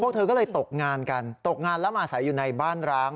เธอก็เลยตกงานกันตกงานแล้วมาอาศัยอยู่ในบ้านร้าง